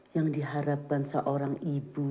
yang diharapkan seorang ibu